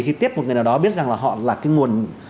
khi tiếp một người nào đó biết rằng là họ là cái nguồn